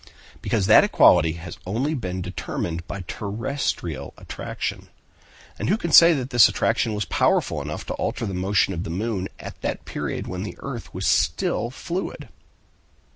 "Because that equality has only been determined by terrestrial attraction. And who can say that this attraction was powerful enough to alter the motion of the moon at that period when the earth was still fluid?"